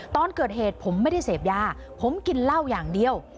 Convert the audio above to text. ตอนเกิดเหตุผมไม่ได้เสพยาผมกินเหล้าอย่างเดียว